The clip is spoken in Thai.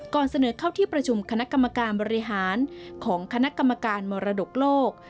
เสนอเข้าที่ประชุมคณะกรรมการบริหารของคณะกรรมการมรดกโลก